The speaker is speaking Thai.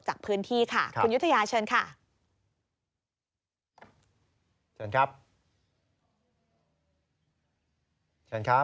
เชิญครับ